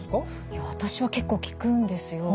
いや私は結構聞くんですよ。